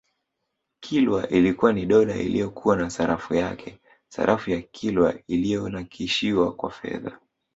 Kilwa ilikuwa ni dola iliyokuwa na sarafu yake sarafu ya Kilwa iliyonakishiwa kwa fedha